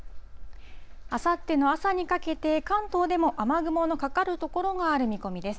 あさっての朝にかけて、関東でも雨雲のかかる所がある見込みです。